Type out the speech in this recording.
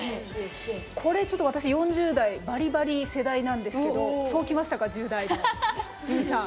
これちょっと私４０代バリバリ世代なんですけどそうきましたか１０代で結海さん。